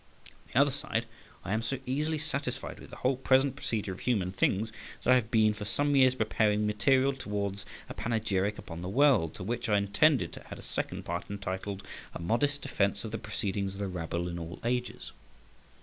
On the other side, I am so entirely satisfied with the whole present procedure of human things, that I have been for some years preparing material towards "A Panegyric upon the World;" to which I intended to add a second part, entitled "A Modest Defence of the Proceedings of the Rabble in all Ages."